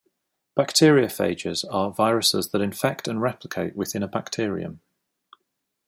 Bacteriophages are viruses that infect and replicate within a bacterium.